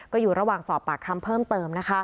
ก็อยู่ระหว่างสอบปากคำเพิ่มเติม